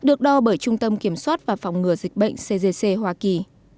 được đo bởi trung tâm kiểm soát và phòng ngừa dịch bệnh cgc hoa kỳ